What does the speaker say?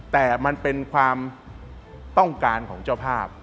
แต่มันเป็นความต้องการของเจ้าภาพ